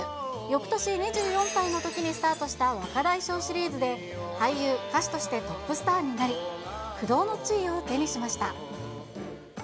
よくとし２４歳のときにスタートした若大将シリーズで、俳優、歌手としてトップスターになり、不動の地位を手にしました。